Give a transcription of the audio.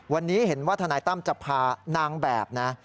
วันนี้เห็นว่าทนายตั้มจะพานางแบบนะ